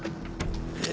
え